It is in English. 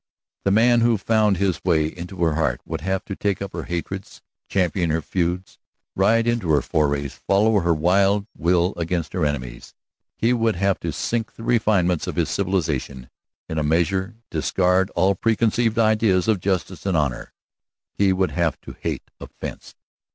The man who found his way to her heart would have to take up her hatreds, champion her feuds, ride in her forays, follow her wild will against her enemies. He would have to sink the refinements of his civilization, in a measure, discard all preconceived ideas of justice and honor. He would have to hate a fence.